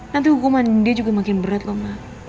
nanti hukuman dia juga makin berat kok